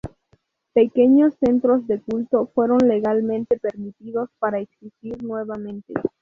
Pequeños centros de culto fueron legalmente permitidos para existir nuevamente.